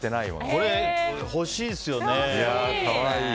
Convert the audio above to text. これ、欲しいですよね。